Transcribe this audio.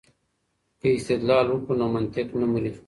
که استدلال وکړو نو منطق نه مري.